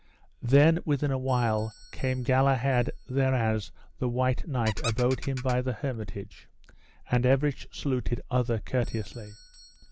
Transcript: Then within a while came Galahad thereas the White Knight abode him by the hermitage, and everych saluted other courteously.